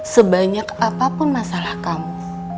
sebanyak apapun masalah kamu